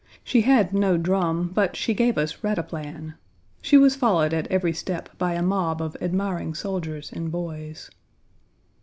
She had no drum, but she gave us rataplan. She was followed at every step by a mob of admiring soldiers and boys.